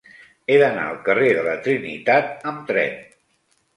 He d'anar al carrer de la Trinitat amb tren.